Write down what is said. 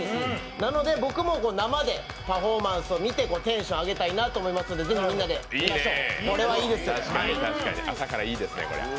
なので僕も生でパフォーマンスを見てテンション上げたいなと思いますのでぜひ、みんなで、見ましょう。